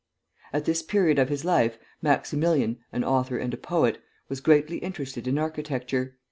At this period of his life, Maximilian (an author and a poet) was greatly interested in architecture.